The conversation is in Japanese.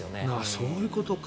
そういうことか。